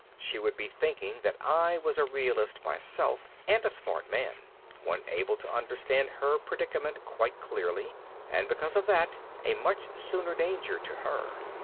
She would be thinking that I was a realist myself and a smart man, one able to understand her predicament quite clearly and because of that a much sooner danger to her.